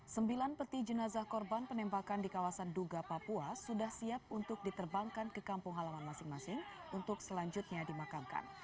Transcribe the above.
sembilan peti jenazah korban penembakan di kawasan duga papua sudah siap untuk diterbangkan ke kampung halaman masing masing untuk selanjutnya dimakamkan